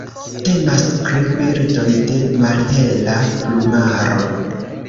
Temas pri birdoj de malhela plumaro.